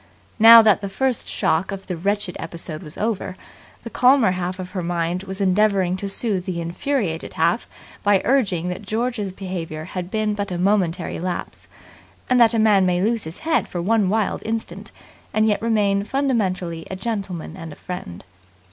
Now that the first shock of the wretched episode was over, the calmer half of her mind was endeavouring to soothe the infuriated half by urging that George's behaviour had been but a momentary lapse, and that a man may lose his head for one wild instant, and yet remain fundamentally a gentleman and a friend.